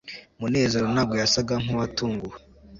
munezero ntabwo yasaga nkuwatunguwe